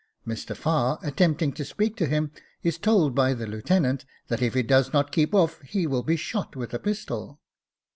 Mr. Farr, attempting to speak to him, is told by the Lieutenant that if he does not keep off he will be shot with a pistol.